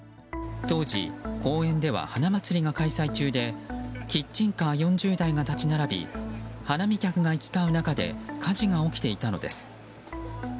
当時、公園では花まつりが開催中でキッチンカー４０台が立ち並び花見客が行き交う中で火事が起きていたのです。